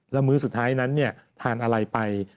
แล้วมื้อสุดท้ายนั้นทานอะไรไป